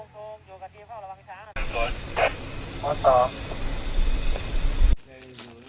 พอร์สต่อ